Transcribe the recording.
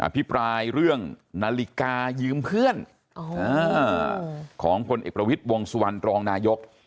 พิปรายเรื่องนาฬิกายืมเพื่อนของพลเอกประวิทย์วงสุวรรณรองนายก